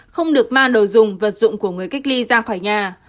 không được mang đồ dùng vật dụng của người cách ly ra khỏi nhà